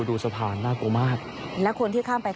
ดูสะพานน่ากลัวมาก